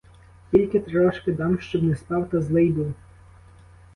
Тільки трошки дам, щоб не спав та злий був.